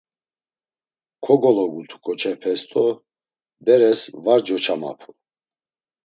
Kogolugutu ǩoçepes do beres var coçamapu.